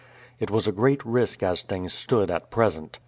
It was a great risk as things stood at present.